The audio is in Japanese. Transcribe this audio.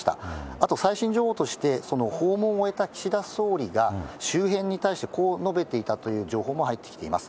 あと最新情報として、訪問を終えた岸田総理が周辺に対して、こう述べていたという情報も入ってきています。